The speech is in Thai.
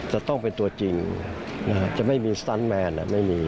จะต้องเป็นตัวจริงจะไม่มีสตันแมนไม่มี